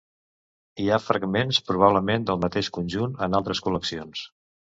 Hi ha fragments probablement del mateix conjunt en altres col·leccions.